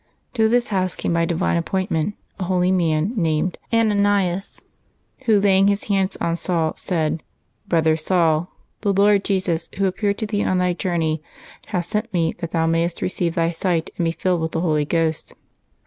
To this house came by divine appointment a holy man named Ananias, who, laying his hands on Saul, said, "Brother Saul, the Lord Jesus, Who appeared to thee on thy journey, hath sent me that thou mayest receive thy sight and be filled with the Holy Ghost."